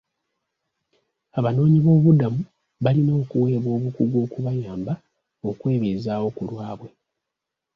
Abanoonyi boobubudamu balina okuweebwa obukugu okubayamba okwebeezaawo ku lwaabwe.